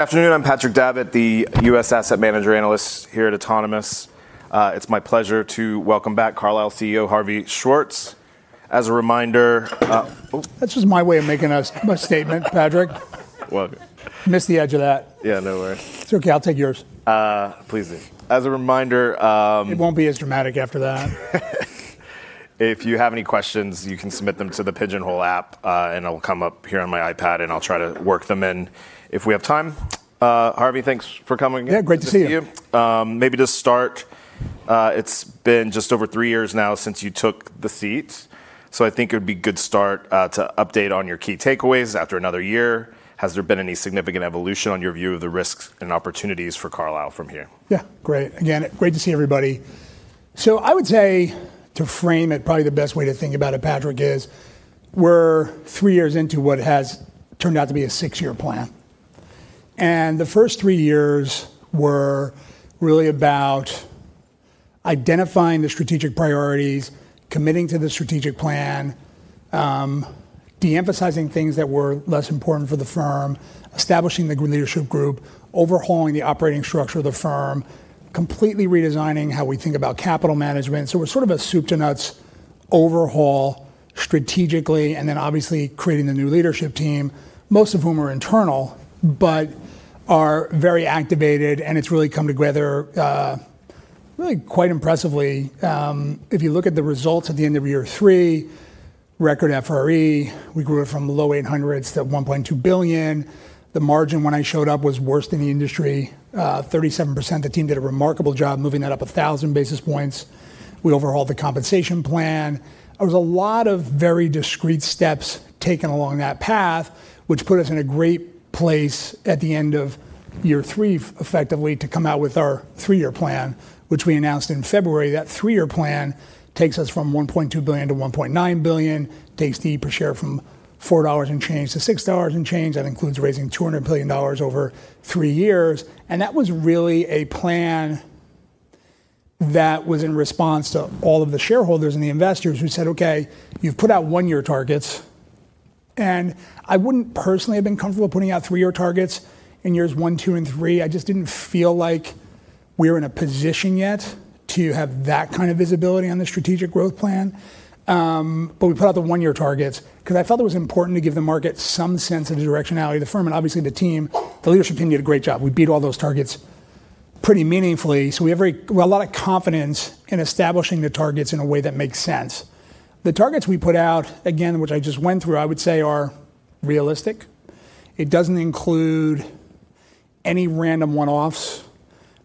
Afternoon, I'm Patrick Davitt, the U.S. asset manager analyst here at Autonomous. It's my pleasure to welcome back Carlyle CEO, Harvey Schwartz. As a reminder, That's just my way of making a statement, Patrick. Welcome. Missed the edge of that. Yeah, no worries. It's okay, I'll take yours. Please do. As a reminder. It won't be as dramatic after that. If you have any questions, you can submit them to the Pigeonhole app, and it'll come up here on my iPad, and I'll try to work them in if we have time. Harvey, thanks for coming in. Yeah, great to see you. Good to see you. Maybe to start, it's been just over three years now since you took the seat. I think it would be good start to update on your key takeaways after another year. Has there been any significant evolution on your view of the risks and opportunities for Carlyle from here? Yeah, great. Again, great to see everybody. I would say to frame it, probably the best way to think about it, Patrick, is we're three years into what has turned out to be a six-year plan. The first three years were really about identifying the strategic priorities, committing to the strategic plan, de-emphasizing things that were less important for the firm, establishing the leadership group, overhauling the operating structure of the firm, completely redesigning how we think about capital management. It was sort of a soup to nuts overhaul strategically, and then obviously creating the new leadership team, most of whom are internal, but are very activated, and it's really come together really quite impressively. If you look at the results at the end of year three, record FRE. We grew it from the low $800s to $1.2 billion. The margin when I showed up was worst in the industry, 37%. The team did a remarkable job moving that up 1,000 basis points. We overhauled the compensation plan. There was a lot of very discrete steps taken along that path, which put us in a great place at the end of year three, effectively to come out with our three-year plan, which we announced in February. That three-year plan takes us from $1.2 billion-$1.9 billion, takes the per share from $4 and change to $6 and change. That includes raising $200 billion over three years, and that was really a plan that was in response to all of the shareholders and the investors who said, "Okay, you've put out one-year targets." I wouldn't personally have been comfortable putting out three-year targets in years one, two, and three. I just didn't feel like we were in a position yet to have that kind of visibility on the strategic growth plan. We put out the one-year targets because I felt it was important to give the market some sense of the directionality of the firm. Obviously, the team, the leadership team, did a great job. We beat all those targets pretty meaningfully, we have a lot of confidence in establishing the targets in a way that makes sense. The targets we put out, again, which I just went through, I would say are realistic. It doesn't include any random one-offs.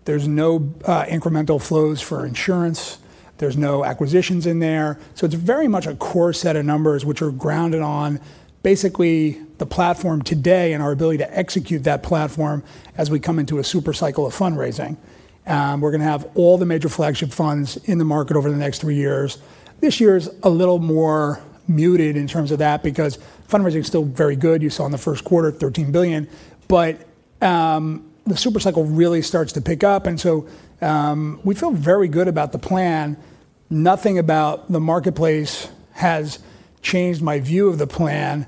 There's no incremental flows for insurance. There's no acquisitions in there. It's very much a core set of numbers which are grounded on basically the platform today and our ability to execute that platform as we come into a super cycle of fundraising. We're going to have all the major flagship funds in the market over the next three years. This year is a little more muted in terms of that because fundraising is still very good. You saw in the first quarter, $13 billion. The super cycle really starts to pick up. We feel very good about the plan. Nothing about the marketplace has changed my view of the plan,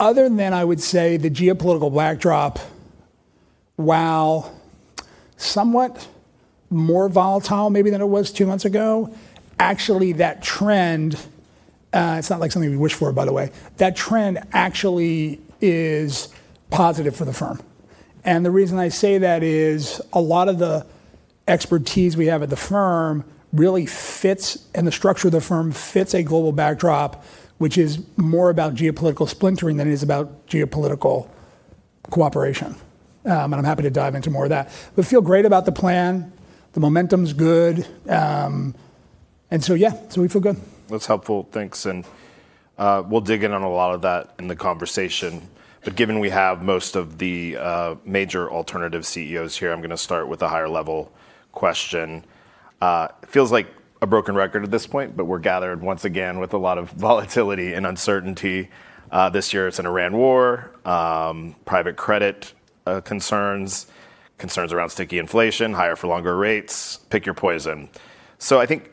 other than I would say the geopolitical backdrop, while somewhat more volatile maybe than it was two months ago, actually. It's not like something we wish for, by the way. That trend actually is positive for the firm. The reason I say that is a lot of the expertise we have at the firm really fits, and the structure of the firm fits a global backdrop, which is more about geopolitical splintering than it is about geopolitical cooperation. I'm happy to dive into more of that. Feel great about the plan. The momentum's good. Yes, we feel good. That's helpful. Thanks. We'll dig in on a lot of that in the conversation. Given we have most of the major alternative CEOs here, I'm going to start with a higher-level question. It feels like a broken record at this point, but we're gathered once again with a lot of volatility and uncertainty. This year it's an Iran war, private credit concerns around sticky inflation, higher for longer rates, pick your poison. I think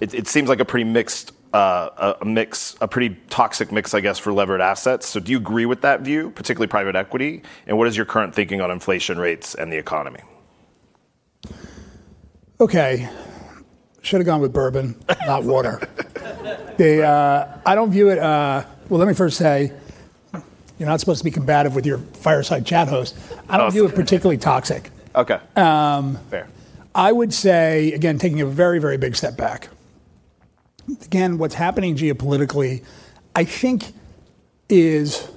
it seems like a pretty toxic mix, I guess, for levered assets. Do you agree with that view, particularly private equity? What is your current thinking on inflation rates and the economy? Okay. Should've gone with bourbon, not water. Well, let me first say, you're not supposed to be combative with your fireside chat host. I don't view it particularly toxic. Okay. Fair. I would say, again, taking a very big step back. What's happening geopolitically, I think is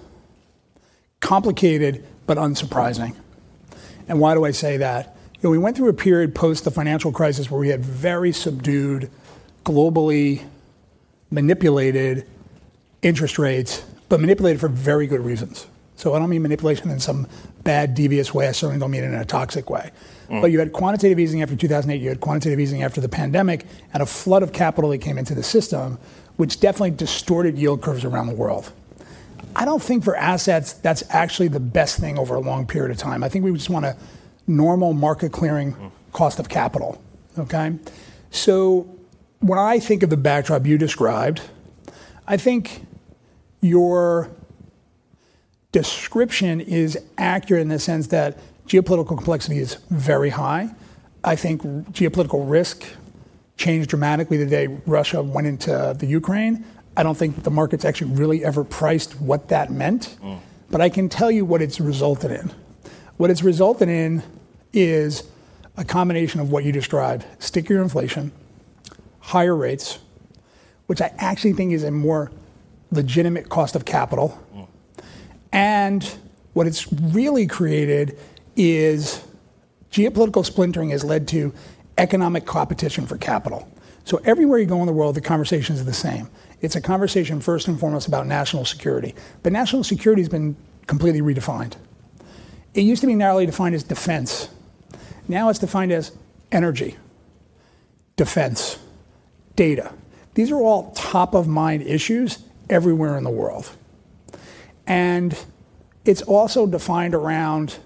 complicated but unsurprising. Why do I say that? We went through a period post the financial crisis where we had very subdued, globally manipulated interest rates, but manipulated for very good reasons. I don't mean manipulation in some bad, devious way. I certainly don't mean it in a toxic way. You had quantitative easing after 2008, you had quantitative easing after the pandemic, and a flood of capital that came into the system, which definitely distorted yield curves around the world. I don't think for assets, that's actually the best thing over a long period of time. I think we just want a normal market clearing cost of capital. Okay. When I think of the backdrop you described, I think your description is accurate in the sense that geopolitical complexity is very high. I think geopolitical risk changed dramatically the day Russia went into Ukraine. I don't think the markets actually really ever priced what that meant. I can tell you what it's resulted in. What it's resulted in is a combination of what you described, stickier inflation, higher rates, which I actually think is a more legitimate cost of capital. What it's really created is geopolitical splintering has led to economic competition for capital. Everywhere you go in the world, the conversations are the same. It's a conversation first and foremost about national security. National security's been completely redefined. It used to be narrowly defined as defense. Now it's defined as energy, defense, data. These are all top-of-mind issues everywhere in the world. It's also defined around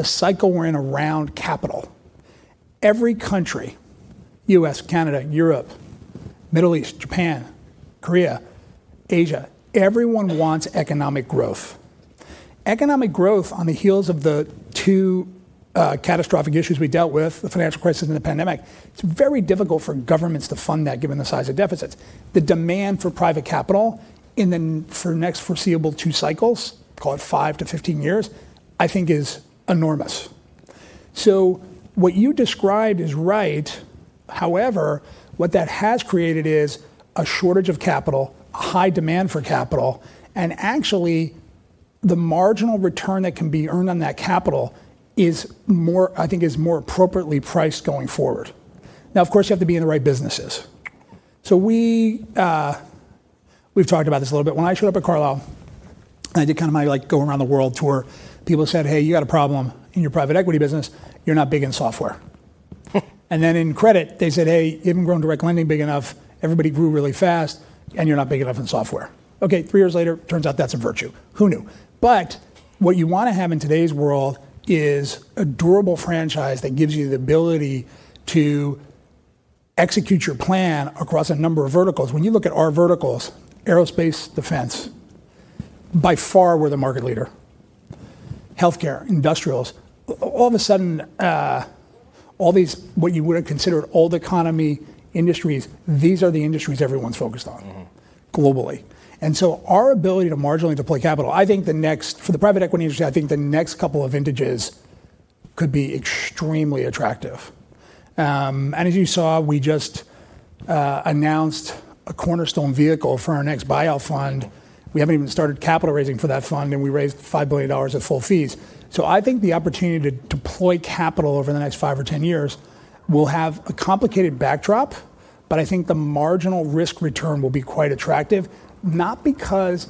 the cycle we're in around capital. Every country, U.S., Canada, Europe, Middle East, Japan, Korea, Asia, everyone wants economic growth. Economic growth on the heels of the two catastrophic issues we dealt with, the financial crisis and the pandemic, it's very difficult for governments to fund that given the size of deficits. The demand for private capital for the next foreseeable two cycles, call it 5-15 years, I think is enormous. What you described is right. However, what that has created is a shortage of capital, a high demand for capital, and actually, the marginal return that can be earned on that capital I think is more appropriately priced going forward. Now, of course, you have to be in the right businesses. We've talked about this a little bit. When I showed up at Carlyle, I did my go-around-the-world tour. People said, "Hey, you got a problem in your private equity business. You're not big in software." In credit, they said, "Hey, you haven't grown direct lending big enough. Everybody grew really fast, and you're not big enough in software." Okay, three years later, turns out that's a virtue. Who knew? What you want to have in today's world is a durable franchise that gives you the ability to execute your plan across a number of verticals. When you look at our verticals, aerospace, defense, by far we're the market leader. Healthcare, industrials. All of a sudden, all these what you would've considered old economy industries, these are the industries everyone's focused on globally. Our ability to marginally deploy capital, for the private equity industry, I think the next couple of vintages could be extremely attractive. As you saw, we just announced a cornerstone vehicle for our next buyout fund. We haven't even started capital raising for that fund, and we raised $5 billion at full fees. I think the opportunity to deploy capital over the next five or 10 years will have a complicated backdrop, but I think the marginal risk return will be quite attractive, not because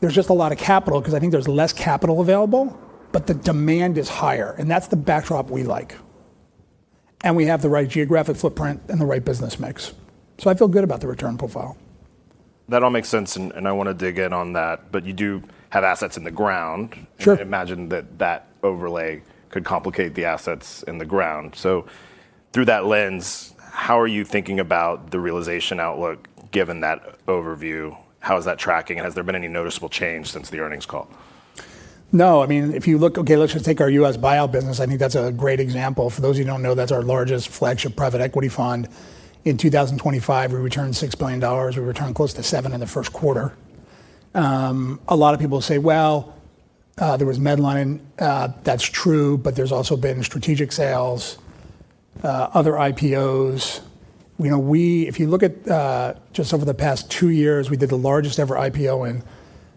there's just a lot of capital, because I think there's less capital available, but the demand is higher, and that's the backdrop we like. We have the right geographic footprint and the right business mix. I feel good about the return profile. That all makes sense, and I want to dig in on that. You do have assets in the ground. Sure. I imagine that that overlay could complicate the assets in the ground. Through that lens, how are you thinking about the realization outlook, given that overview? How is that tracking, and has there been any noticeable change since the earnings call? No. Okay, let's just take our U.S. buyout fund. I think that's a great example. For those of you who don't know, that's our largest flagship private equity fund. In 2025, we returned $6 billion. We returned close to $7 billion in the first quarter. A lot of people say, "Well, there was Medline." That's true, but there's also been strategic sales, other IPOs. If you look at just over the past two years, we did the largest-ever IPO in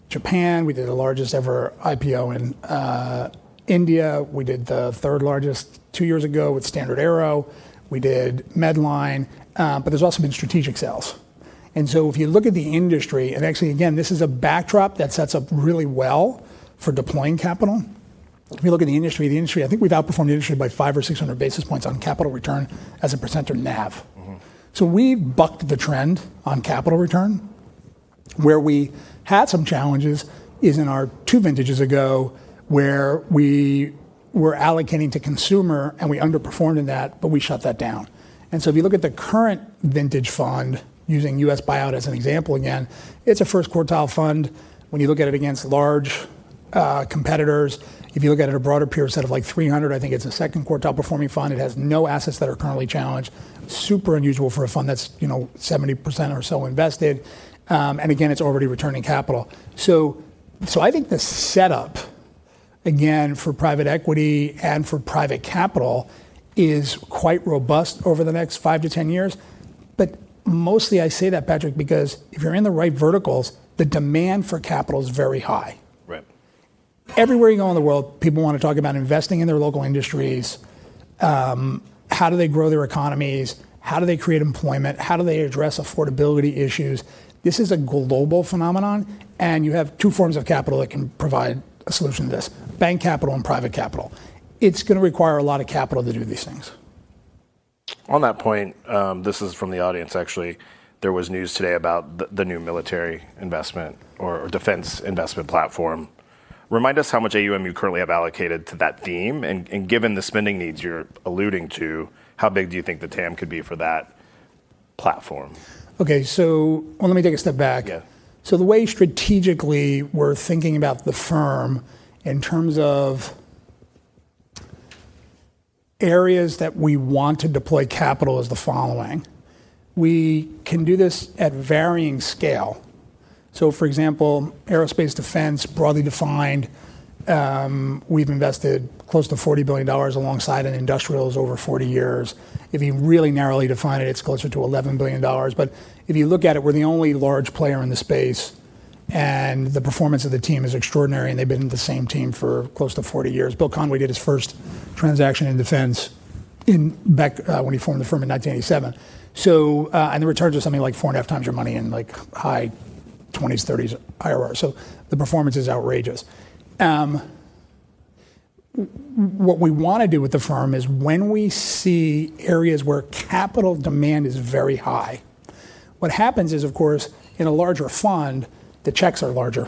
Japan. We did the largest-ever IPO in India. We did the third largest two years ago with StandardAero. We did Medline. There's also been strategic sales. If you look at the industry, and actually again, this is a backdrop that sets up really well for deploying capital. If you look at the industry, I think we've outperformed the industry by 500 or 600 basis points on capital return as a percentage of NAV. We bucked the trend on capital return. Where we had some challenges is in our two vintages ago, where we were allocating to consumer, and we underperformed in that, but we shut that down. If you look at the current vintage fund, using U.S. buyout as an example again, it's a first quartile fund. When you look at it against large competitors, if you look at it at a broader peer set of, like, 300, I think it's a second quartile performing fund. It has no assets that are currently challenged. Super unusual for a fund that's 70% or so invested. Again, it's already returning capital. I think the setup, again, for private equity and for private capital is quite robust over the next five to 10 years. Mostly I say that, Patrick, because if you're in the right verticals, the demand for capital is very high. Right. Everywhere you go in the world, people want to talk about investing in their local industries. How do they grow their economies? How do they create employment? How do they address affordability issues? This is a global phenomenon. You have two forms of capital that can provide a solution to this, bank capital and private capital. It's going to require a lot of capital to do these things. On that point, this is from the audience, actually. There was news today about the new military investment or defense investment platform. Remind us how much AUM you currently have allocated to that theme. Given the spending needs you're alluding to, how big do you think the TAM could be for that platform? Okay. Let me take a step back. Yeah. The way, strategically, we're thinking about the firm in terms of areas that we want to deploy capital is the following. We can do this at varying scale. For example, aerospace defense, broadly defined, we've invested close to $40 billion alongside in industrials over 40 years. If you really narrowly define it's closer to $11 billion. If you look at it, we're the only large player in the space, and the performance of the team is extraordinary, and they've been the same team for close to 40 years. Conway did his first transaction in defense back when he formed the firm in 1987. The returns are something like 4.5x your money in high 20s, 30s IRR. The performance is outrageous. What we want to do with the firm is when we see areas where capital demand is very high, what happens is, of course, in a larger fund, the checks are larger.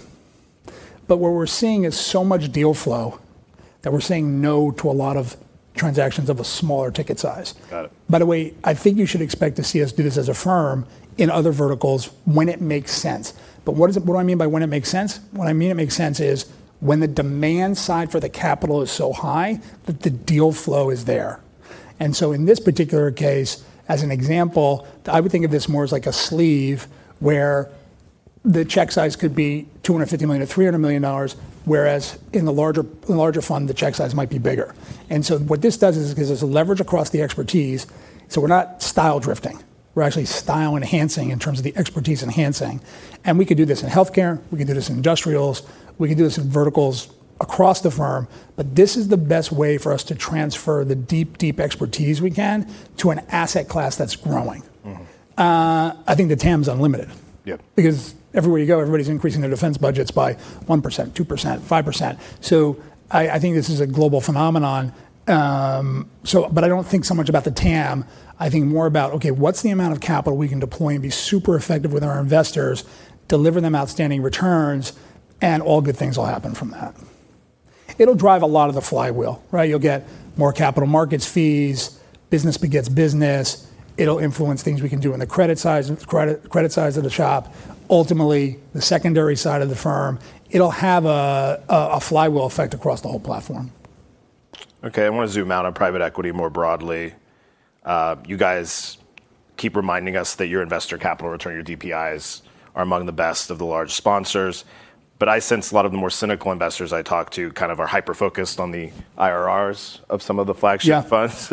What we're seeing is so much deal flow that we're saying no to a lot of transactions of a smaller ticket size. Got it. By the way, I think you should expect to see us do this as a firm in other verticals when it makes sense. But what do I mean by when it makes sense? What I mean it makes sense is when the demand side for the capital is so high that the deal flow is there. In this particular case, as an example, I would think of this more as like a sleeve where the check size could be $250 million-$300 million, whereas in the larger fund, the check size might be bigger. What this does is it gives us a leverage across the expertise. We're not style drifting, we're actually style enhancing in terms of the expertise enhancing. We can do this in healthcare, we can do this in industrials, we can do this in verticals across the firm. This is the best way for us to transfer the deep, deep expertise we can to an asset class that's growing. I think the TAM's unlimited. Yeah. Everywhere you go, everybody's increasing their defense budgets by 1%, 2%, 5%. I think this is a global phenomenon. I don't think so much about the TAM. I think more about, okay, what's the amount of capital we can deploy and be super effective with our investors, deliver them outstanding returns, and all good things will happen from that. It'll drive a lot of the flywheel, right? You'll get more capital markets fees. Business begets business. It'll influence things we can do in the credit size of the shop, ultimately the secondary side of the firm. It'll have a flywheel effect across the whole platform. Okay. I want to zoom out on private equity more broadly. You guys keep reminding us that your investor capital return, your DPIs, are among the best of the large sponsors. I sense a lot of the more cynical investors I talk to kind of are hyper-focused on the IRRs of some of the flagship funds.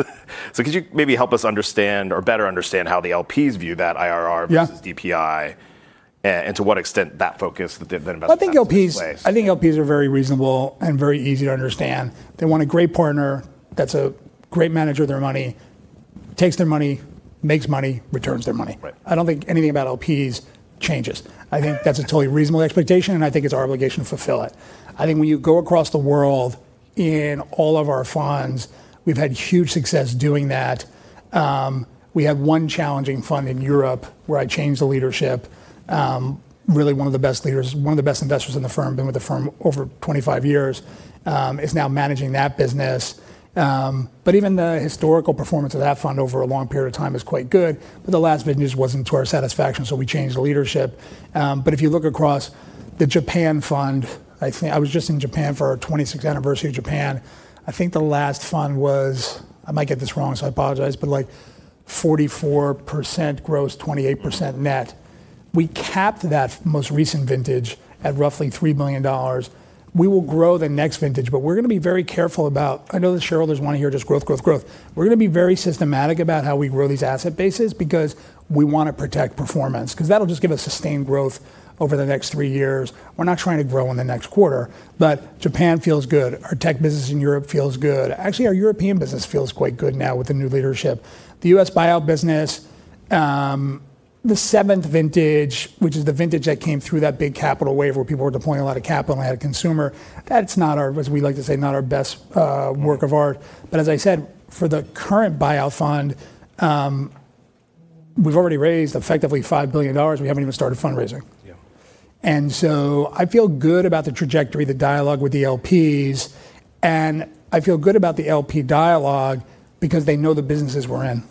Could you maybe help us understand or better understand how the LPs view that IRR versus DPI, and to what extent that focus that the investor has in place. I think LPs are very reasonable and very easy to understand. They want a great partner that's a great manager of their money, takes their money, makes money, returns their money. Right. I don't think anything about LPs changes. I think that's a totally reasonable expectation. I think it's our obligation to fulfill it. I think when you go across the world in all of our funds, we've had huge success doing that. We had one challenging fund in Europe where I changed the leadership. Really one of the best leaders, one of the best investors in the firm, been with the firm over 25 years, is now managing that business. Even the historical performance of that fund over a long period of time is quite good. The last vintages wasn't to our satisfaction. We changed the leadership. If you look across the Japan fund, I was just in Japan for our 26th anniversary of Japan. I think the last fund was, I might get this wrong, I apologize, like 44% gross, 28% net. We capped that most recent vintage at roughly $3 billion. We will grow the next vintage, but we're going to be very careful. I know that shareholders want to hear just growth, growth. We're going to be very systematic about how we grow these asset bases because we want to protect performance. That'll just give us sustained growth over the next three years. We're not trying to grow in the next quarter. Japan feels good. Our tech business in Europe feels good. Actually, our European business feels quite good now with the new leadership. The U.S. buyout business, the seventh vintage, which is the vintage that came through that big capital wave where people were deploying a lot of capital and had consumer, that's not our, as we like to say, not our best work of art. As I said, for the current buyout fund, we've already raised effectively $5 billion. We haven't even started fundraising. Yeah. I feel good about the trajectory, the dialogue with the LPs, and I feel good about the LP dialogue because they know the businesses we're in,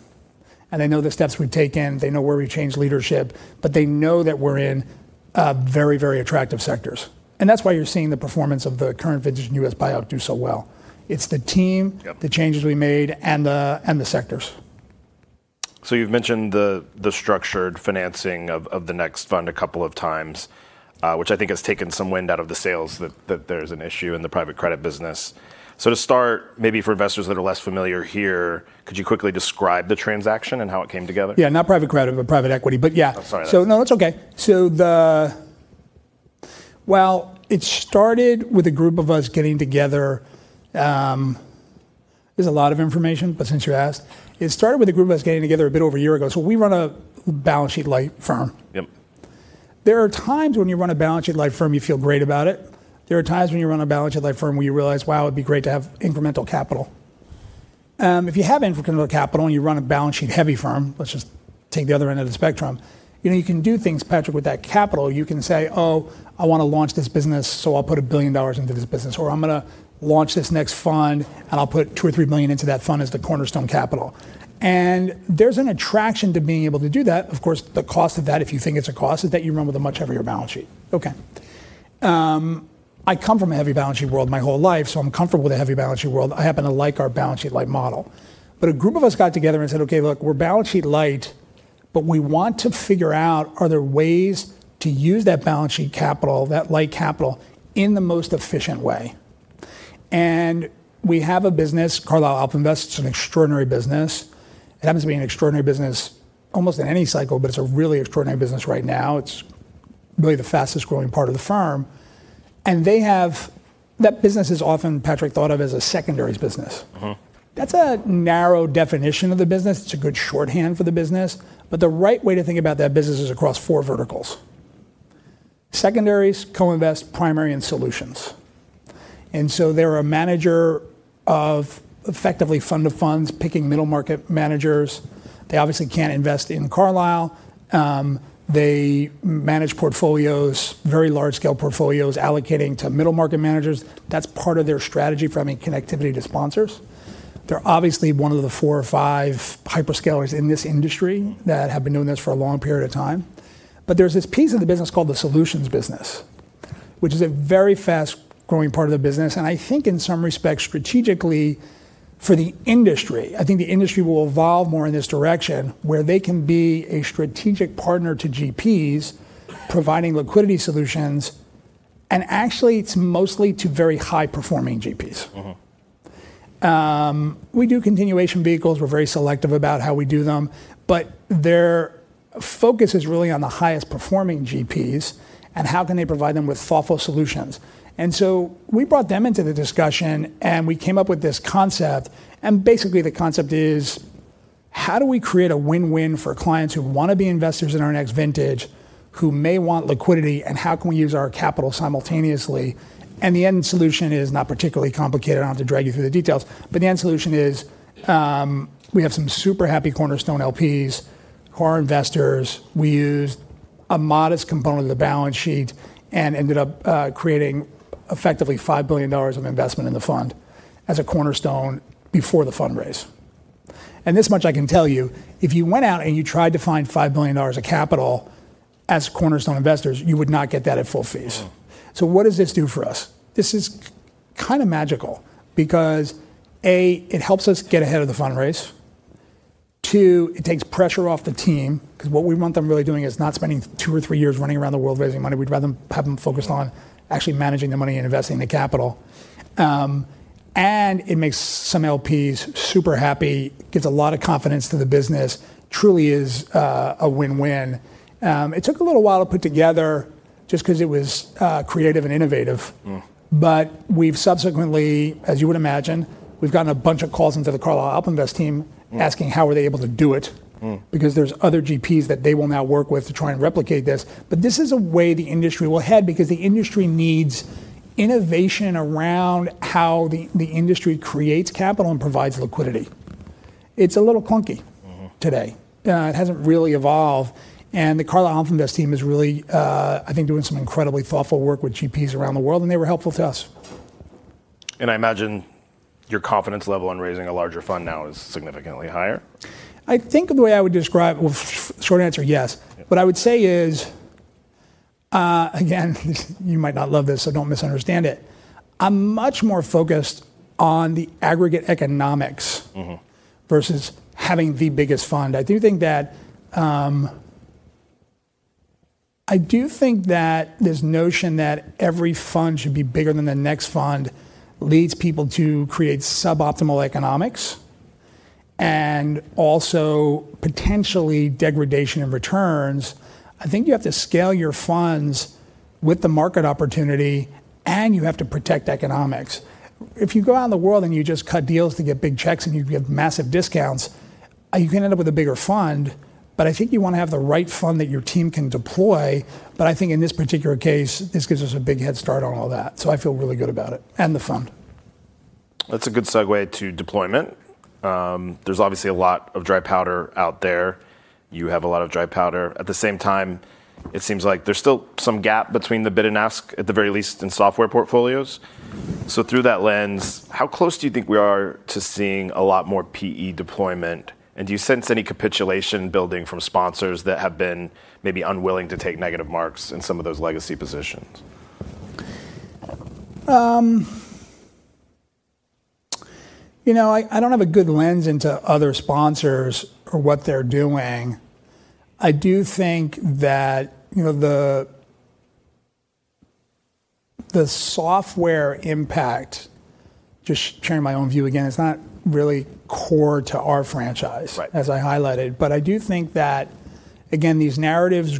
and they know the steps we've taken. They know where we changed leadership. They know that we're in very, very attractive sectors. That's why you're seeing the performance of the current vintage in U.S. buyout do so well. It's the team, the changes we made, and the sectors. You've mentioned the structured financing of the next fund a couple of times, which I think has taken some wind out of the sails that there's an issue in the private credit business. To start, maybe for investors that are less familiar here, could you quickly describe the transaction and how it came together? Yeah. Not private credit, but private equity. Yeah. I'm sorry. No, it's okay. Well, it started with a group of us getting together. There's a lot of information. Since you asked, it started with a group of us getting together a bit over a year ago. We run a balance sheet light firm. Yep. There are times when you run a balance sheet light firm, you feel great about it. There are times when you run a balance sheet light firm where you realize, wow, it'd be great to have incremental capital. If you have infinite capital and you run a balance sheet heavy firm, let's just take the other end of the spectrum. You can do things, Patrick, with that capital. You can say, "Oh, I want to launch this business, so I'll put $1 billion into this business," or, "I'm going to launch this next fund, and I'll put $2 million or $3 million into that fund as the cornerstone capital." There's an attraction to being able to do that. Of course, the cost of that, if you think it's a cost, is that you run with a much heavier balance sheet. Okay. I come from a heavy balance sheet world my whole life, so I'm comfortable with a heavy balance sheet world. I happen to like our balance sheet light model. A group of us got together and said, "Okay, look, we're balance sheet light, but we want to figure out are there ways to use that balance sheet capital, that light capital, in the most efficient way?" We have a business, Carlyle AlpInvest. It's an extraordinary business. It happens to be an extraordinary business almost in any cycle, but it's a really extraordinary business right now. It's really the fastest growing part of the firm. That business is often, Patrick, thought of as a secondaries business. That's a narrow definition of the business. It's a good shorthand for the business, but the right way to think about that business is across four verticals. Secondaries, co-invest, primary, and solutions. They're a manager of effectively fund of funds, picking middle market managers. They obviously can't invest in Carlyle. They manage portfolios, very large scale portfolios, allocating to middle market managers. That's part of their strategy for having connectivity to sponsors. They're obviously one of the four or five hyperscalers in this industry that have been doing this for a long period of time. There's this piece of the business called the solutions business, which is a very fast-growing part of the business, and I think in some respects strategically for the industry. I think the industry will evolve more in this direction where they can be a strategic partner to GPs providing liquidity solutions. Actually, it's mostly to very high performing GPs. We do continuation vehicles. We're very selective about how we do them. Their focus is really on the highest performing GPs and how can they provide them with thoughtful solutions. We brought them into the discussion and we came up with this concept, and basically the concept is how do we create a win-win for clients who want to be investors in our next vintage, who may want liquidity, and how can we use our capital simultaneously? The end solution is not particularly complicated. I don't have to drag you through the details. The end solution is we have some super happy cornerstone LPs, core investors. We used a modest component of the balance sheet and ended up creating effectively $5 billion of investment in the fund as a cornerstone before the fund raise. This much I can tell you. If you went out and you tried to find $5 billion of capital as cornerstone investors, you would not get that at full fees. Wow. What does this do for us? This is kind of magical because, A, it helps us get ahead of the fund raise. Two, it takes pressure off the team, because what we want them really doing is not spending two or three years running around the world raising money. We'd rather have them focused on actually managing the money and investing the capital. It makes some LPs super happy, gives a lot of confidence to the business. Truly is a win-win. It took a little while to put together just because it was creative and innovative. We've subsequently, as you would imagine, we've gotten a bunch of calls into the Carlyle AlpInvest team asking how were they able to do it. There's other GPs that they will now work with to try and replicate this. This is a way the industry will head because the industry needs innovation around how the industry creates capital and provides liquidity. It's a little clunky today. It hasn't really evolved. The Carlyle AlpInvest team is really, I think, doing some incredibly thoughtful work with GPs around the world, and they were helpful to us. I imagine your confidence level in raising a larger fund now is significantly higher? Well, short answer, yes. Yeah. What I would say is, again, you might not love this, so don't misunderstand it. I'm much more focused on the aggregate economics versus having the biggest fund. I do think that this notion that every fund should be bigger than the next fund leads people to create suboptimal economics, and also potentially degradation in returns. I think you have to scale your funds with the market opportunity and you have to protect economics. If you go around the world and you just cut deals to get big checks and you give massive discounts, you can end up with a bigger fund. I think you want to have the right fund that your team can deploy. I think in this particular case, this gives us a big headstart on all that, so I feel really good about it, and the fund. That's a good segue to deployment. There's obviously a lot of dry powder out there. You have a lot of dry powder. At the same time, it seems like there's still some gap between the bid and ask, at the very least in software portfolios. Through that lens, how close do you think we are to seeing a lot more PE deployment? Do you sense any capitulation building from sponsors that have been maybe unwilling to take negative marks in some of those legacy positions? I don't have a good lens into other sponsors or what they're doing. I do think that the software impact, just sharing my own view again, is not really core to our franchise as I highlighted. I do think that, again, these narratives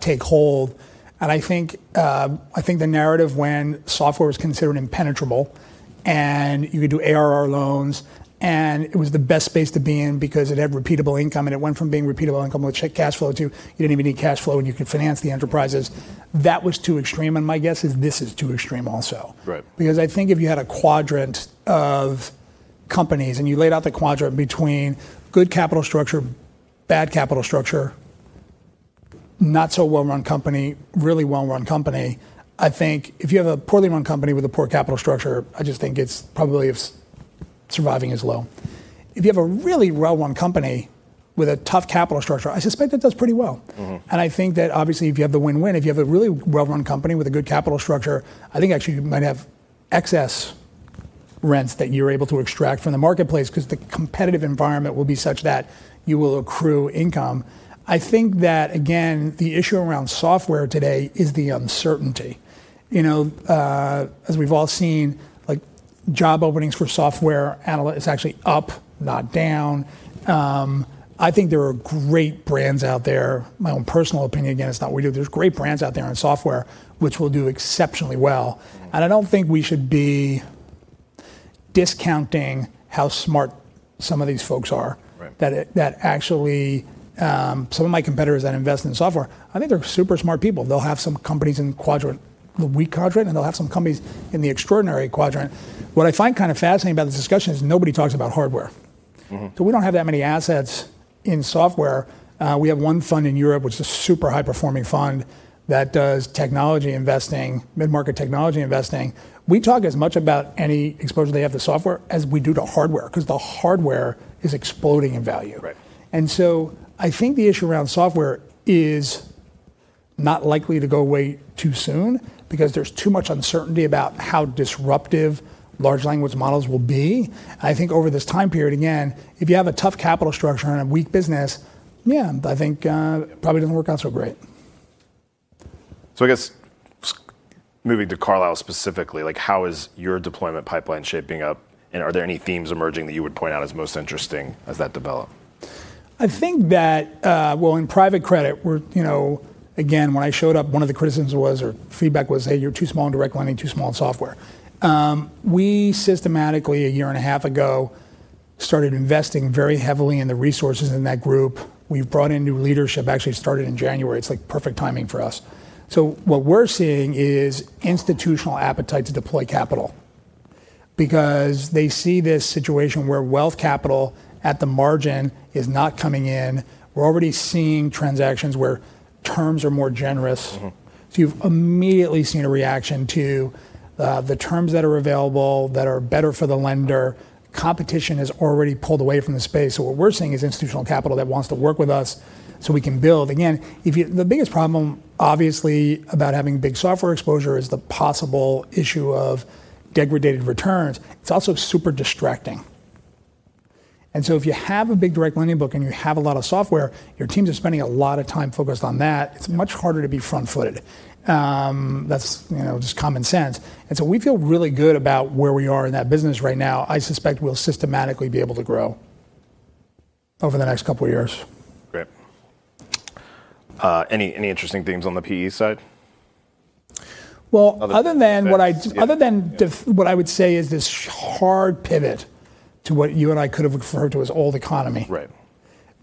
take hold, and I think the narrative when software was considered impenetrable, and you could do ARR loans, and it was the best space to be in because it had repeatable income. It went from being repeatable income with cash flow to you didn't even need cash flow and you could finance the enterprises. That was too extreme, and my guess is this is too extreme also. Right. I think if you had a quadrant of companies and you laid out the quadrant between good capital structure, bad capital structure. Not so well-run company, really well-run company. I think if you have a poorly run company with a poor capital structure, I just think its probability of surviving is low. If you have a really well-run company with a tough capital structure, I suspect it does pretty well. I think that obviously if you have the win-win, if you have a really well-run company with a good capital structure, I think actually you might have excess rents that you're able to extract from the marketplace because the competitive environment will be such that you will accrue income. I think that again, the issue around software today is the uncertainty. As we've all seen, job openings for software analyst is actually up, not down. I think there are great brands out there. My own personal opinion, again, it's not what we do. There's great brands out there in software which will do exceptionally well, and I don't think we should be discounting how smart some of these folks are. Right. That actually, some of my competitors that invest in software, I think they're super smart people. They'll have some companies in the weak quadrant, and they'll have some companies in the extraordinary quadrant. What I find kind of fascinating about this discussion is nobody talks about hardware. We don't have that many assets in software. We have one fund in Europe, which is a super high-performing fund that does technology investing, mid-market technology investing. We talk as much about any exposure they have to software as we do to hardware because the hardware is exploding in value. Right. I think the issue around software is not likely to go away too soon because there's too much uncertainty about how disruptive large language models will be. I think over this time period, again, if you have a tough capital structure and a weak business, yeah, I think it probably doesn't work out so great. I guess moving to Carlyle specifically, how is your deployment pipeline shaping up, and are there any themes emerging that you would point out as most interesting as that develop? I think that, well, in private credit, again, when I showed up, one of the criticisms was, or feedback was, "Hey, you're too small in direct lending, too small in software." We systematically, a year and a half ago, started investing very heavily in the resources in that group. We've brought in new leadership, actually started in January. It's perfect timing for us. What we're seeing is institutional appetite to deploy capital because they see this situation where wealth capital at the margin is not coming in. We're already seeing transactions where terms are more generous. You've immediately seen a reaction to the terms that are available that are better for the lender. Competition has already pulled away from the space. What we're seeing is institutional capital that wants to work with us so we can build. Again, the biggest problem, obviously, about having big software exposure is the possible issue of degraded returns. It's also super distracting. If you have a big direct lending book and you have a lot of software, your teams are spending a lot of time focused on that. It's much harder to be front-footed. That's just common sense. We feel really good about where we are in that business right now. I suspect we'll systematically be able to grow over the next couple of years. Great. Any interesting themes on the PE side? Well, other than what I would say is this hard pivot to what you and I could've referred to as old economy. Right.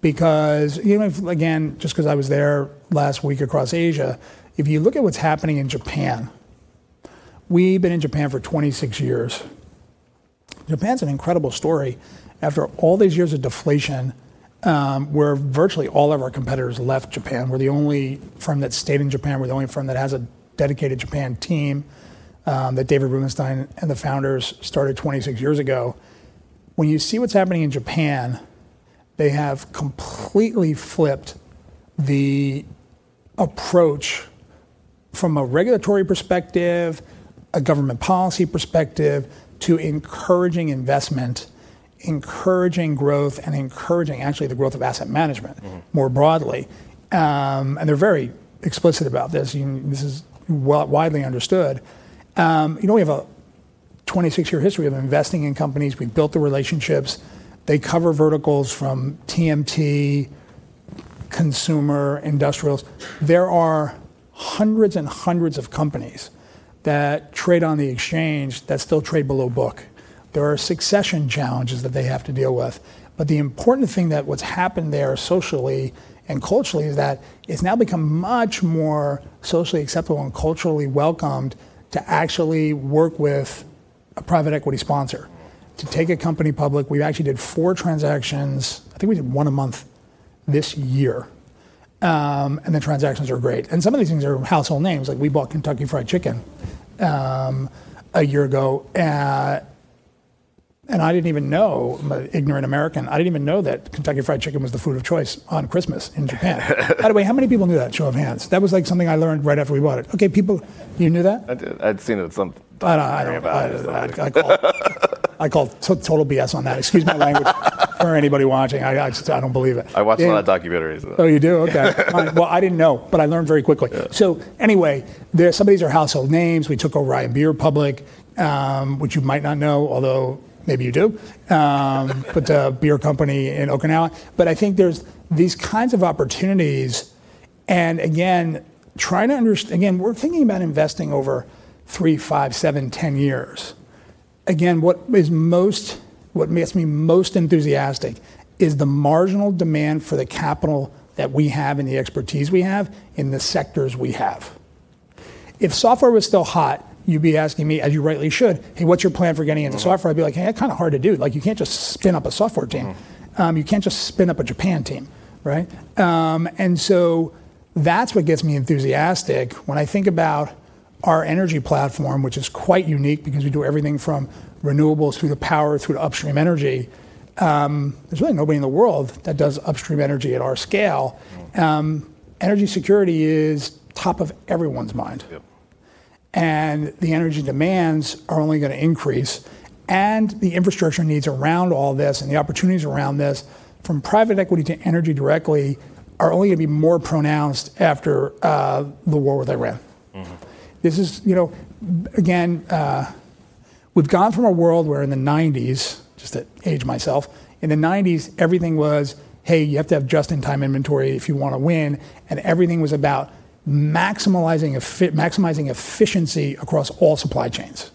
Even, again, just because I was there last week across Asia, if you look at what's happening in Japan, we've been in Japan for 26 years. Japan's an incredible story. After all these years of deflation, where virtually all of our competitors left Japan, we're the only firm that stayed in Japan. We're the only firm that has a dedicated Japan team that David Rubenstein and the founders started 26 years ago. When you see what's happening in Japan, they have completely flipped the approach from a regulatory perspective, a government policy perspective, to encouraging investment, encouraging growth, and encouraging actually the growth of asset management more broadly. They're very explicit about this. This is widely understood. We have a 26-year history of investing in companies. We've built the relationships. They cover verticals from TMT, consumer industrials. There are hundreds and hundreds of companies that trade on the exchange that still trade below book. There are succession challenges that they have to deal with. The important thing that what's happened there socially and culturally is that it's now become much more socially acceptable and culturally welcomed to actually work with a private equity sponsor to take a company public. We actually did four transactions. I think we did one a month this year. The transactions are great. Some of these things are household names, like we bought Kentucky Fried Chicken a year ago. I didn't even know, I'm an ignorant American, I didn't even know that Kentucky Fried Chicken was the food of choice on Christmas in Japan. By the way, how many people knew that, show of hands? That was something I learned right after we bought it. Okay, people, you knew that? I did. I'd seen it at some point. I don't know. I don't know about this though. I call total BS on that. Excuse my language or anybody watching. I just, I don't believe it. I watch a lot of documentaries. Oh, you do? Okay. Well, I didn't know, but I learned very quickly. Yeah. Anyway, some of these are household names. We took Orion Breweries public, which you might not know, although maybe you do. A beer company in Okinawa. I think there's these kinds of opportunities, and again, we're thinking about investing over three, five, seven, 10 years. Again, what makes me most enthusiastic is the marginal demand for the capital that we have and the expertise we have in the sectors we have. If software was still hot, you'd be asking me, as you rightly should, "Hey, what's your plan for getting into software?" I'd be like, "Hey, kind of hard to do." You can't just spin up a software team. You can't just spin up a Japan team. Right? That's what gets me enthusiastic when I think about our energy platform, which is quite unique because we do everything from renewables through to power through to upstream energy. There's really nobody in the world that does upstream energy at our scale. Energy security is top of everyone's mind. Yep. The energy demands are only going to increase, and the infrastructure needs around all this and the opportunities around this from private equity to energy directly are only going to be more pronounced after the war with Iran. Again, we've gone from a world where in the 1990s, just to age myself, in the 1990s, everything was, "Hey, you have to have just-in-time inventory if you want to win," and everything was about maximizing efficiency across all supply chains.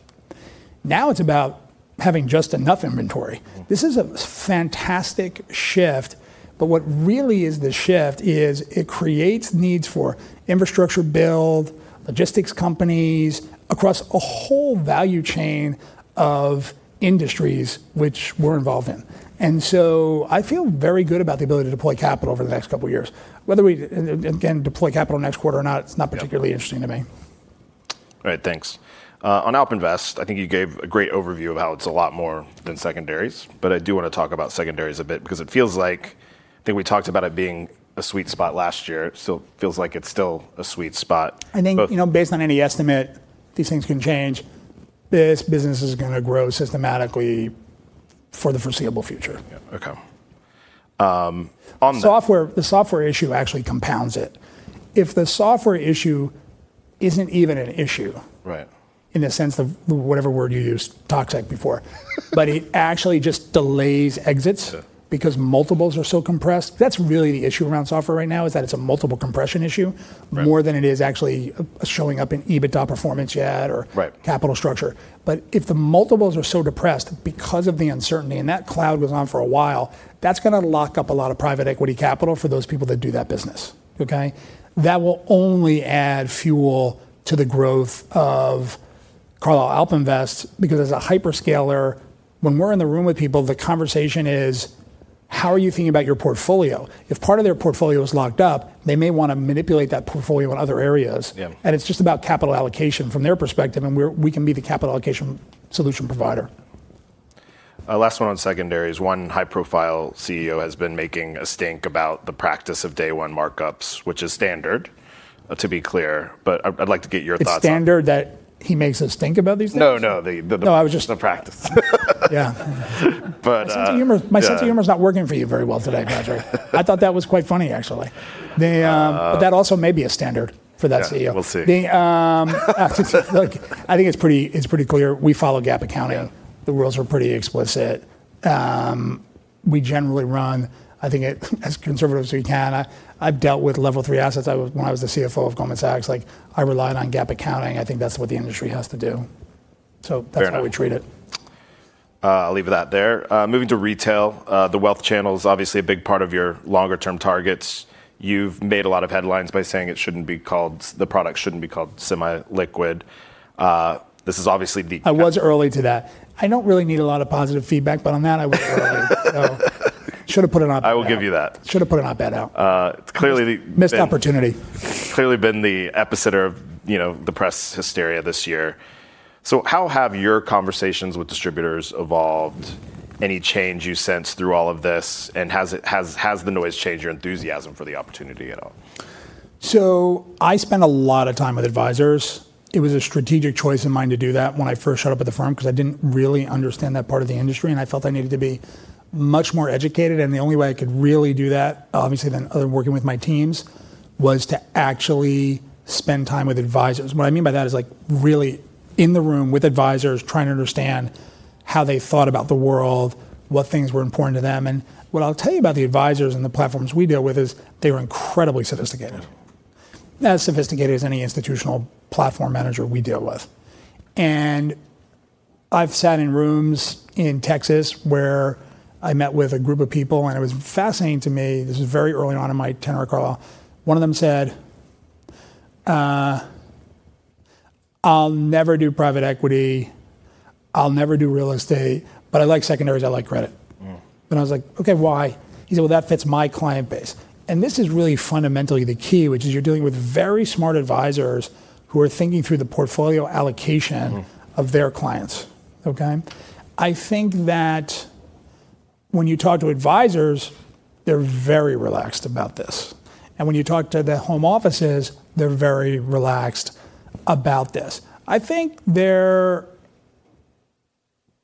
Now it's about having just enough inventory. This is a fantastic shift, but what really is the shift is it creates needs for infrastructure build, logistics companies, across a whole value chain of industries which we're involved in. I feel very good about the ability to deploy capital over the next couple of years. Whether we, again, deploy capital next quarter or not, it's not particularly interesting to me. Right. Thanks. On AlpInvest, I think you gave a great overview of how it's a lot more than secondaries, but I do want to talk about secondaries a bit because it feels like, I think we talked about it being a sweet spot last year, so it feels like it's still a sweet spot. I think, based on any estimate, these things can change. This business is going to grow systematically for the foreseeable future. Yep. Okay. The software issue actually compounds it. If the software issue isn't even an issue in the sense of whatever word you used, toxic, before. It actually just delays exits. Sure. Multiples are so compressed. That's really the issue around software right now, is that it's a multiple compression issue more than it is actually showing up in EBITDA performance yet or capital structure. Right. If the multiples are so depressed because of the uncertainty, and that cloud goes on for a while, that's going to lock up a lot of private equity capital for those people that do that business. Okay? That will only add fuel to the growth of Carlyle AlpInvest because as a hyperscaler, when we're in the room with people, the conversation is, how are you thinking about your portfolio? If part of their portfolio is locked up, they may want to manipulate that portfolio in other areas. Yeah. It's just about capital allocation from their perspective, and we can be the capital allocation solution provider. Last one on secondaries. One high-profile CEO has been making a stink about the practice of day one markups, which is standard, to be clear, but I'd like to get your thoughts on it. It's standard that he makes a stink about these things? No, no. No. The practice. Yeah. My sense of humor's not working for you very well today, Patrick. I thought that was quite funny, actually. Oh. That also may be a standard for that CEO. Yeah. We'll see. Look, I think it's pretty clear we follow GAAP accounting. Yeah. The rules are pretty explicit. We generally run, I think as conservative as we can. I've dealt with level three assets when I was the CFO of Goldman Sachs. I relied on GAAP accounting. I think that's what the industry has to do. Fair enough. How we treat it. I'll leave that there. Moving to retail, the wealth channel's obviously a big part of your longer-term targets. You've made a lot of headlines by saying the product shouldn't be called semi-liquid. I was early to that. I don't really need a lot of positive feedback, but on that, I was early. Should've put an op ed out. I will give you that. Should've put an op-ed out. It's clearly. Missed opportunity. Clearly been the epicenter of the press hysteria this year. How have your conversations with distributors evolved? Any change you sense through all of this? Has the noise changed your enthusiasm for the opportunity at all? I spend a lot of time with advisors. It was a strategic choice of mine to do that when I first showed up at the firm because I didn't really understand that part of the industry, and I felt I needed to be much more educated. The only way I could really do that, obviously, other than working with my teams, was to actually spend time with advisors. What I mean by that is really in the room with advisors, trying to understand how they thought about the world, what things were important to them. What I'll tell you about the advisors and the platforms we deal with is they are incredibly sophisticated. As sophisticated as any institutional platform manager we deal with. I've sat in rooms in Texas where I met with a group of people, and it was fascinating to me. This was very early on in my tenure at Carlyle. One of them said, "I'll never do private equity. I'll never do real estate. I like secondaries, I like credit. I was like, "Okay, why?" He said, "Well, that fits my client base." This is really fundamentally the key, which is you're dealing with very smart advisors who are thinking through the portfolio allocation of their clients. Okay? I think that when you talk to advisors, they're very relaxed about this. When you talk to their home offices, they're very relaxed about this. I think their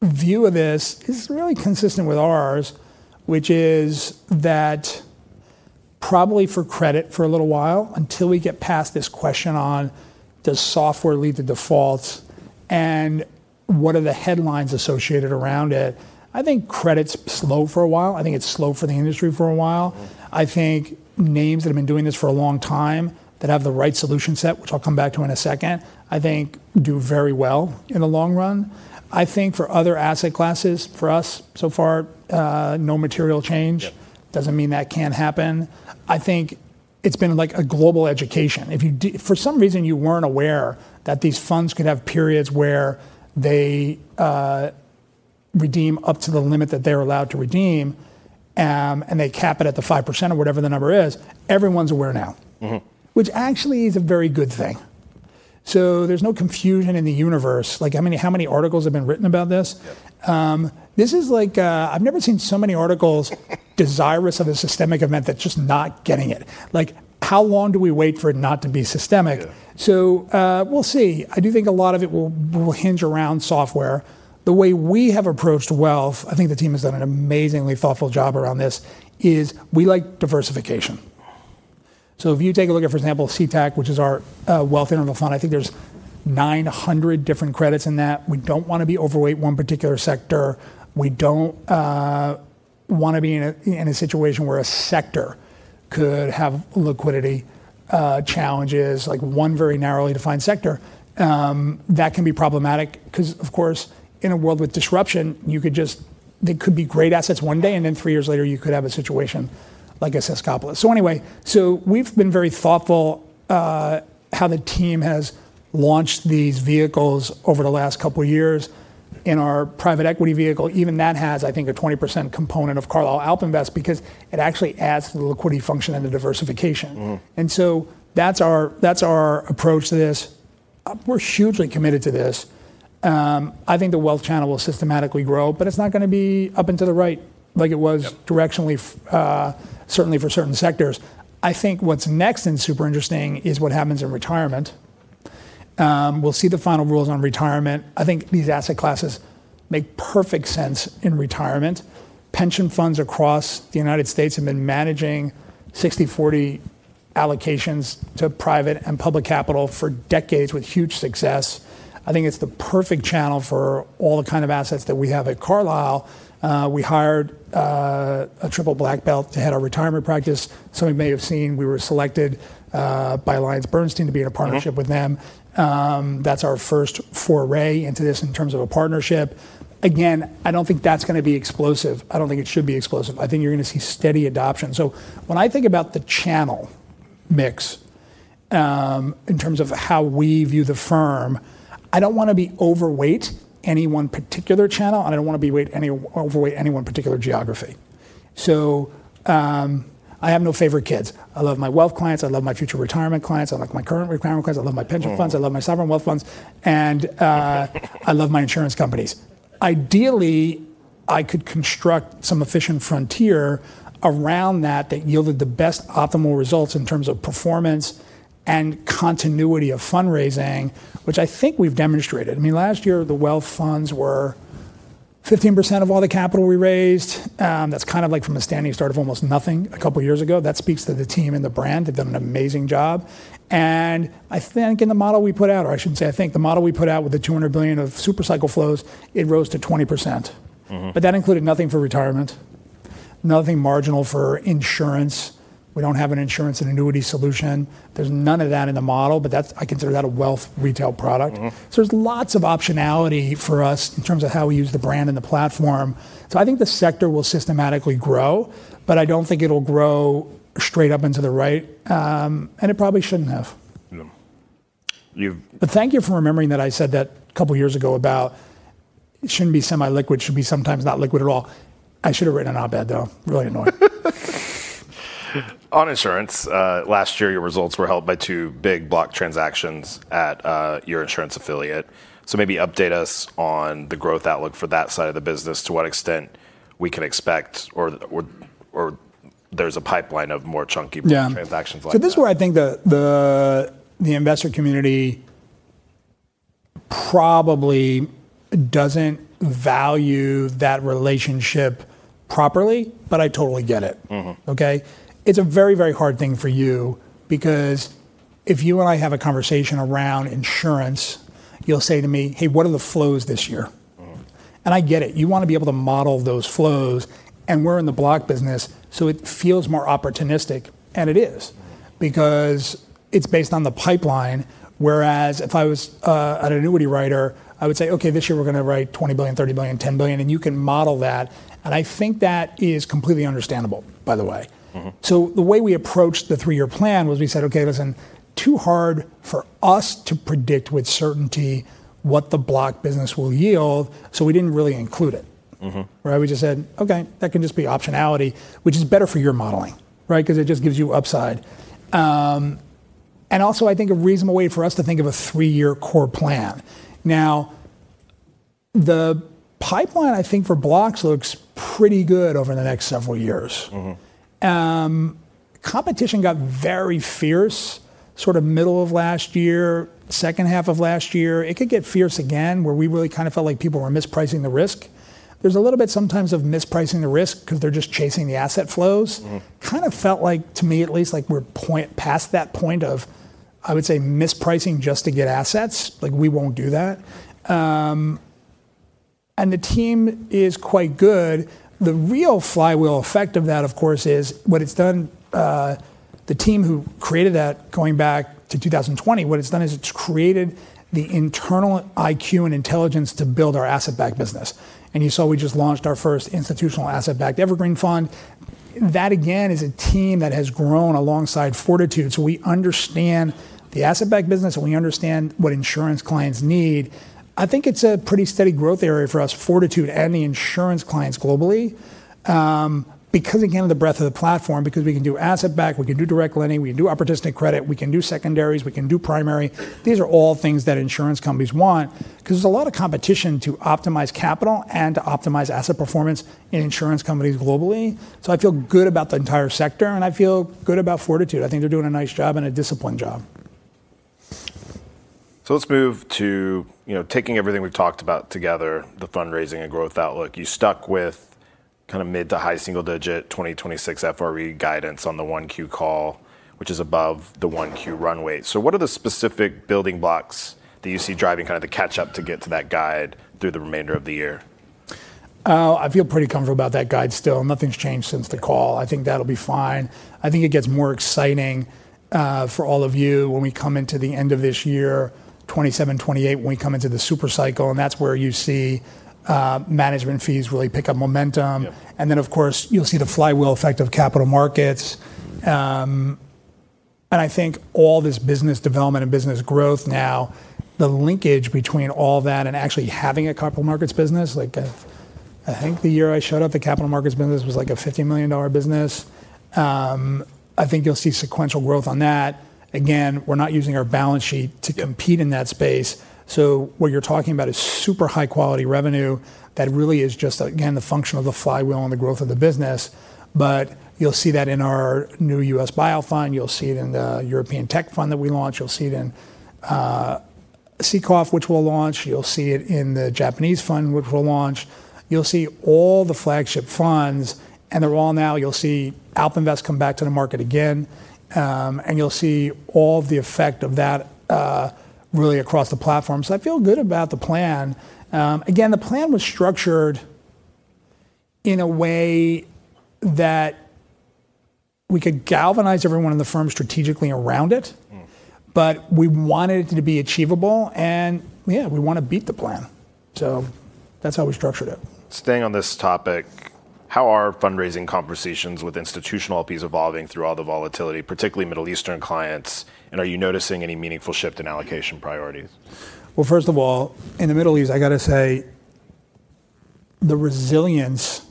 view of this is really consistent with ours, which is that probably for credit for a little while, until we get past this question on does software lead to defaults, and what are the headlines associated around it, I think credit's slow for a while. I think it's slow for the industry for a while. I think names that have been doing this for a long time that have the right solution set, which I'll come back to in a second, I think do very well in the long run. I think for other asset classes, for us so far, no material change. Doesn't mean that can't happen. I think it's been like a global education. If for some reason you weren't aware that these funds could have periods where they redeem up to the limit that they're allowed to redeem, and they cap it at the 5% or whatever the number is, everyone's aware now. Which actually is a very good thing. There's no confusion in the universe. Like how many articles have been written about this? Yeah. I've never seen so many articles desirous of a systemic event that's just not getting it. Like, how long do we wait for it not to be systemic? Yeah. We'll see. I do think a lot of it will hinge around software. The way we have approached wealth, I think the team has done an amazingly thoughtful job around this, is we like diversification. If you take a look at, for example, CTAC, which is our wealth interval fund, I think there's 900 different credits in that. We don't want to be overweight one particular sector. We don't want to be in a situation where a sector could have liquidity challenges, like one very narrowly defined sector. That can be problematic because, of course, in a world with disruption, they could be great assets one day, and then three years later you could have a situation like a Escapist. Anyway, so we've been very thoughtful how the team has launched these vehicles over the last couple of years in our private equity vehicle. Even that has, I think, a 20% component of Carlyle AlpInvest because it actually adds to the liquidity function and the diversification. That's our approach to this. We're hugely committed to this. I think the wealth channel will systematically grow, but it's not going to be up and to the right like it was directionally, certainly for certain sectors. I think what's next and super interesting is what happens in retirement. We'll see the final rules on retirement. I think these asset classes make perfect sense in retirement. Pension funds across the United States have been managing 60/40 allocations to private and public capital for decades with huge success. I think it's the perfect channel for all the kind of assets that we have at Carlyle. We hired a triple black belt to head our retirement practice. Some of you may have seen, we were selected by AllianceBernstein to be in a partnership with them. That's our first foray into this in terms of a partnership. I don't think that's going to be explosive. I don't think it should be explosive. I think you're going to see steady adoption. When I think about the channel mix, in terms of how we view the firm, I don't want to be overweight any one particular channel, and I don't want to be overweight any one particular geography. I have no favorite kids. I love my wealth clients, I love my future retirement clients, I like my current retirement clients, I love my pension funds. I love my sovereign wealth funds. I love my insurance companies. Ideally, I could construct some efficient frontier around that yielded the best optimal results in terms of performance and continuity of fundraising, which I think we've demonstrated. Last year the wealth funds were 15% of all the capital we raised. That's from a standing start of almost nothing a two years ago. That speaks to the team and the brand. They've done an amazing job. I think in the model we put out, or I should say I think the model we put out with the $200 billion of super cycle flows, it rose to 20%. That included nothing for retirement, nothing marginal for insurance. We don't have an insurance and annuity solution. There's none of that in the model, but I consider that a wealth retail product. There's lots of optionality for us in terms of how we use the brand and the platform. I think the sector will systematically grow, but I don't think it'll grow straight up and to the right. It probably shouldn't have. Thank you for remembering that I said that a couple of years ago about it shouldn't be semi-liquid, should be sometimes not liquid at all. I should have written an op-ed, though. Really annoying. On insurance, last year your results were held by two big block transactions at your insurance affiliate. Maybe update us on the growth outlook for that side of the business, to what extent we can expect or there's a pipeline of more chunky transactions like that. This is where I think the investor community probably doesn't value that relationship properly, but I totally get it. Okay. It's a very hard thing for you because if you and I have a conversation around insurance, you'll say to me, "Hey, what are the flows this year? I get it. You want to be able to model those flows and we're in the block business, so it feels more opportunistic. It is because it's based on the pipeline, whereas if I was an annuity writer, I would say, "Okay, this year we're going to write $20 billion, $30 billion, $10 billion," and you can model that. I think that is completely understandable, by the way. The way we approached the three-year plan was we said, Okay, listen, too hard for us to predict with certainty what the block business will yield, so we didn't really include it. Where we just said, "Okay, that can just be optionality," which is better for your modeling, because it just gives you upside. Also, I think a reasonable way for us to think of a three-year core plan. The pipeline, I think for blocks looks pretty good over the next several years. Competition got very fierce sort of middle of last year, second half of last year. It could get fierce again, where we really kind of felt like people were mispricing the risk. There's a little bit sometimes of mispricing the risk because they're just chasing the asset flows. Kind of felt like, to me at least, like we're past that point of, I would say, mispricing just to get assets. Like, we won't do that. The team is quite good. The real flywheel effect of that, of course, The team who created that, going back to 2020, what it's done is it's created the internal IQ and intelligence to build our asset-backed business. You saw we just launched our first institutional asset-backed evergreen fund. That, again, is a team that has grown alongside Fortitude. We understand the asset-backed business, and we understand what insurance clients need. I think it's a pretty steady growth area for us, Fortitude and the insurance clients globally. Again, of the breadth of the platform, because we can do asset-backed, we can do direct lending, we can do opportunistic credit, we can do secondaries, we can do primary. These are all things that insurance companies want, because there's a lot of competition to optimize capital and to optimize asset performance in insurance companies globally. I feel good about the entire sector, and I feel good about Fortitude. I think they're doing a nice job and a disciplined job. Let's move to taking everything we've talked about together, the fundraising and growth outlook. You stuck with mid to high single digit 2026 FRE guidance on the 1Q call, which is above the 1Q runway. What are the specific building blocks that you see driving the catch-up to get to that guide through the remainder of the year? I feel pretty comfortable about that guide still. Nothing's changed since the call. I think that'll be fine. I think it gets more exciting for all of you when we come into the end of this year 2027, 2028, when we come into the super cycle, and that's where you see management fees really pick up momentum. Yeah. Of course, you'll see the flywheel effect of capital markets. I think all this business development and business growth now, the linkage between all that and actually having a capital markets business, I think the year I showed up, the capital markets business was like a $50 million business. I think you'll see sequential growth on that. Again, we're not using our balance sheet to compete in that space. What you're talking about is super high-quality revenue that really is just, again, the function of the flywheel and the growth of the business. You'll see that in our new U.S. buyout fund. You'll see it in the European tech fund that we launch. You'll see it in CCOF, which we'll launch. You'll see it in the Japanese fund, which we'll launch. You'll see all the flagship funds. You'll see AlpInvest come back to the market again. You'll see all the effect of that really across the platform. I feel good about the plan. Again, the plan was structured in a way that we could galvanize everyone in the firm strategically around it. We wanted it to be achievable, and yeah, we want to beat the plan. That's how we structured it. Staying on this topic, how are fundraising conversations with institutional LPs evolving through all the volatility, particularly Middle Eastern clients, and are you noticing any meaningful shift in allocation priorities? Well, first of all, in the Middle East, I got to say the resilience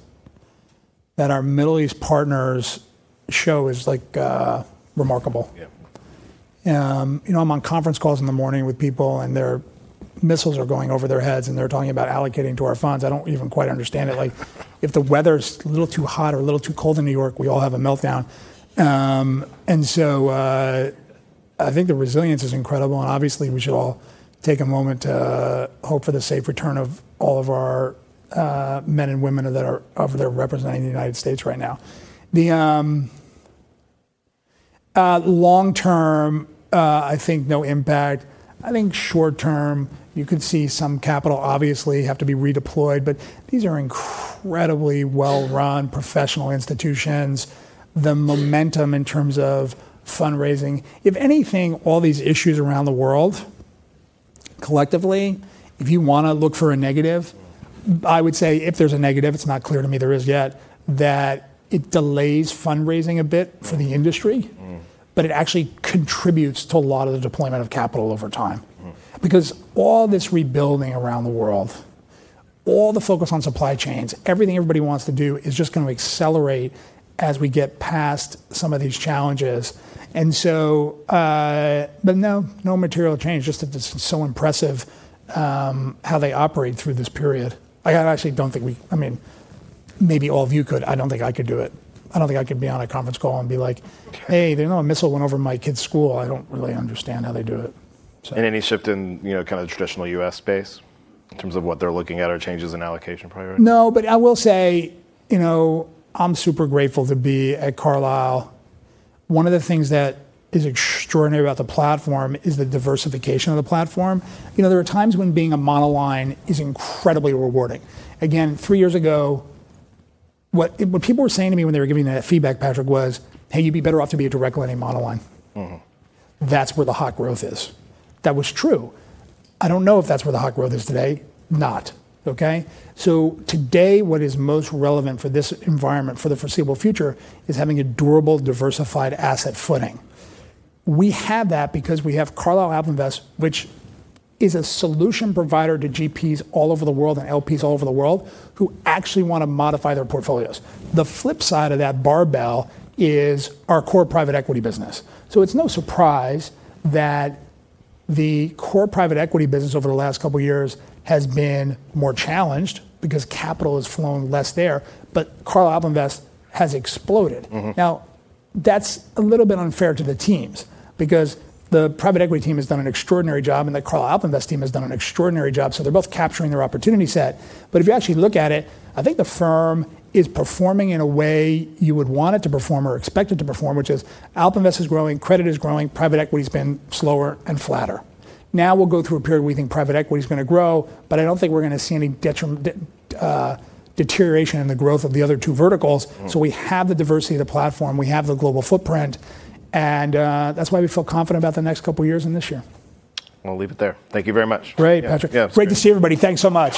that our Middle East partners show is remarkable. Yeah. I'm on conference calls in the morning with people, and missiles are going over their heads, and they're talking about allocating to our funds. I don't even quite understand it. If the weather's a little too hot or a little too cold in New York, we all have a meltdown. I think the resilience is incredible, and obviously, we should all take a moment to hope for the safe return of all of our men and women that are over there representing the United States right now. The long term, I think no impact. I think short term, you could see some capital obviously have to be redeployed, but these are incredibly well-run professional institutions. The momentum in terms of fundraising, if anything, all these issues around the world, collectively, if you want to look for a negative, I would say if there's a negative, it's not clear to me there is yet, that it delays fundraising a bit for the industry. It actually contributes to a lot of the deployment of capital over time. All this rebuilding around the world, all the focus on supply chains, everything everybody wants to do is just going to accelerate as we get past some of these challenges. No material change, just it's so impressive how they operate through this period. I actually don't think. Maybe all of you could. I don't think I could do it. I don't think I could be on a conference call and be like, "Hey, did you know a missile went over my kid's school?" I don't really understand how they do it. Any shift in kind of the traditional U.S. space in terms of what they're looking at or changes in allocation priorities? No, but I will say, I'm super grateful to be at Carlyle. One of the things that is extraordinary about the platform is the diversification of the platform. There are times when being a monoline is incredibly rewarding. Again, three years ago, what people were saying to me when they were giving me that feedback, Patrick, was, "Hey, you'd be better off to be a direct lending monoline. That's where the hot growth is. That was true. I don't know if that's where the hot growth is today. Not, okay? Today, what is most relevant for this environment for the foreseeable future is having a durable, diversified asset footing. We have that because we have Carlyle AlpInvest, which is a solution provider to GPs all over the world and LPs all over the world who actually want to modify their portfolios. The flip side of that barbell is our core private equity business. It's no surprise that the core private equity business over the last couple of years has been more challenged because capital has flown less there. Carlyle AlpInvest has exploded. That's a little bit unfair to the teams because the private equity team has done an extraordinary job, and the Carlyle AlpInvest team has done an extraordinary job, so they're both capturing their opportunity set. If you actually look at it, I think the firm is performing in a way you would want it to perform or expect it to perform, which is AlpInvest is growing, credit is growing, private equity's been slower and flatter. We'll go through a period where we think private equity's going to grow, but I don't think we're going to see any deterioration in the growth of the other two verticals. We have the diversity of the platform. We have the global footprint, and that's why we feel confident about the next couple of years and this year. We'll leave it there. Thank you very much. Great, Patrick. Yeah. Great to see everybody. Thanks so much.